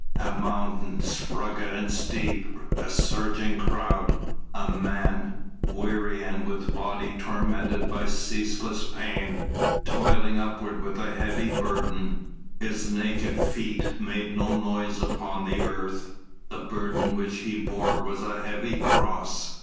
A mountain rugged and steep, a surging crowd, a Man, weary and with body tormented by ceaseless pain, toiling upwards with a heavy burden. His naked feet made no noise upon the earth, the burden which He bore was a heavy Cross.